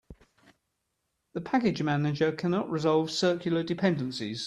The package manager cannot resolve circular dependencies.